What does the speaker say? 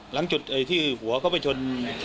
หลังจุดที่หัวเขาไปชน